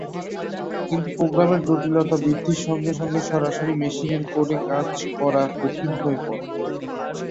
কিন্তু প্রোগ্রামের জটিলতা বৃদ্ধির সঙ্গে সঙ্গে সরাসরি মেশিন কোডে কাজ করা কঠিন হয়ে পড়ে।